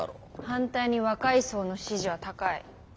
反対に若い層の支持は高い。